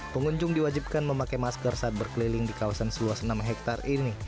pengunjung diwajibkan memakai masker saat berkeliling di kawasan seluas enam hektare ini